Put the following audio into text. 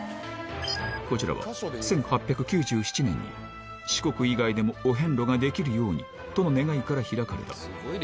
こちらは、１８９７年に、四国以外でもお遍路ができるようにとの願いから開かれた。